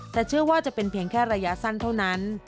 แต่เชื่อว่าจะเป็นเพียงแค่ระยะสั้นเท่านั้น